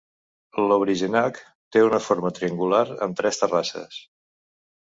Lovrijenac té una forma triangular amb tres terrasses.